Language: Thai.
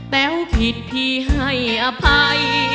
แป๋วผิดพี่ให้อภัย